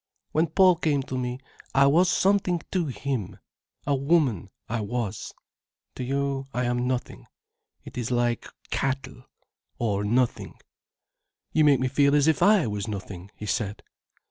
When Paul came to me, I was something to him—a woman, I was. To you I am nothing—it is like cattle—or nothing——" "You make me feel as if I was nothing," he said.